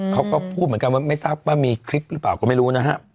เขาก็พูดเหมือนกันว่าไม่ทราบว่ามีคลิปหรือเปล่าก็ไม่รู้นะฮะ